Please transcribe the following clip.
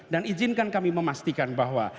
dan izinkan kami memastikan bahwa